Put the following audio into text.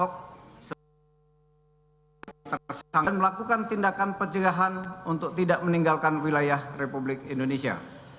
dan melakukan tindakan pencegahan untuk tidak meninggalkan wilayah republik indonesia